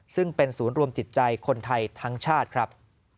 ซึ่งเป็นศูนย์รวมจิตใจคนไทยทั้งชาติครับ